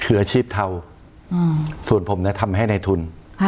คืออาชีพเทาส่วนผมทำให้ในทุน